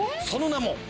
その名も。